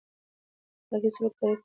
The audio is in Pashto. اخلاقي سلوک د کرکې مخه نیسي.